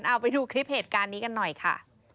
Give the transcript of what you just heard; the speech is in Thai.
เอาไปดูคลิปเหตุการณ์นี้กันหน่อยค่ะ